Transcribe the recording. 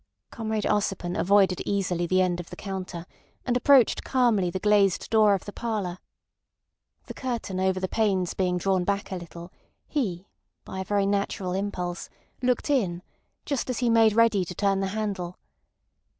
Comrade Ossipon avoided easily the end of the counter, and approached calmly the glazed door of the parlour. The curtain over the panes being drawn back a little he, by a very natural impulse, looked in, just as he made ready to turn the handle.